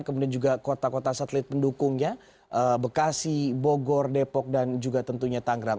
kemudian juga kota kota satelit pendukungnya bekasi bogor depok dan juga tentunya tangerang